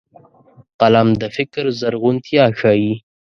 قلم د فکر زرغونتيا ښيي